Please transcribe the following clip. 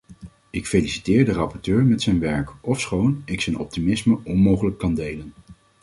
Ik feliciteer de rapporteur met zijn werk, ofschoon ik zijn optimisme onmogelijk kan delen.